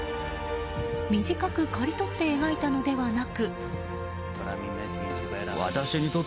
短く刈り取って描いたのではなく。